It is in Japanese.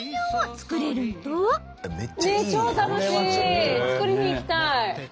作りに行きたい！